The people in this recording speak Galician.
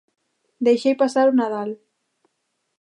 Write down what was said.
Deixei pasar o nadal.